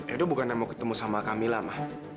ido bukan mau ketemu sama kamila ma